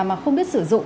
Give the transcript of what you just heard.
mà không biết sử dụng